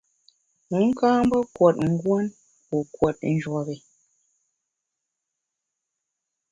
Wu ka mbe kùot nguon wu kùot njuop i.